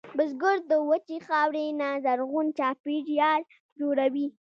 بزګر د وچې خاورې نه زرغون چاپېریال جوړوي